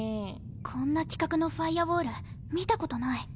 こんな規格のファイアウォール見たことない。